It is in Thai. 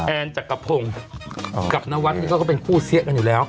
จักรพงศ์กับนวัดนี่เขาก็เป็นคู่เสี้ยกันอยู่แล้ว